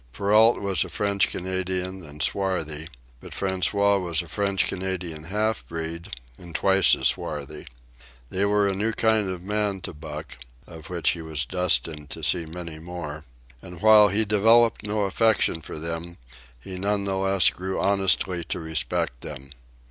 Perrault was a French Canadian, and swarthy; but François was a French Canadian half breed, and twice as swarthy. They were a new kind of men to Buck (of which he was destined to see many more), and while he developed no affection for them, he none the less grew honestly to respect them.